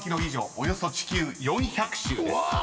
およそ地球４００周です］